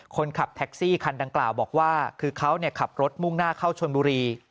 คนขับแท็กซี่คันดังกล่าวบอกว่าคือเขาขับรถมุ่งหน้าเข้าชนบุรี